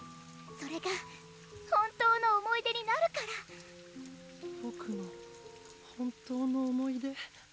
それが本当の思い出になるからボクの本当の思い出？